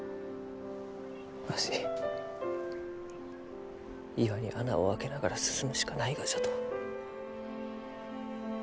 わし岩に穴を開けながら進むしかないがじゃと。